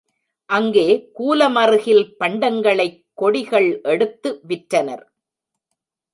அங்கே கூலமறுகில் பண்டங்களைக் கொடிகள் எடுத்து விற்றனர்.